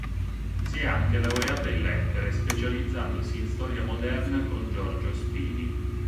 Si è anche laureata in Lettere, specializzandosi in Storia Moderna con Giorgio Spini.